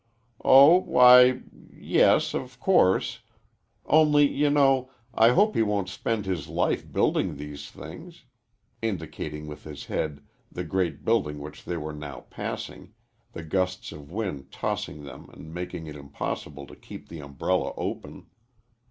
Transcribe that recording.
"Oh, why, y yes, of course only, you know, I hope he won't spend his life building these things" indicating with his head the great building which they were now passing, the gusts of wind tossing them and making it impossible to keep the umbrella open.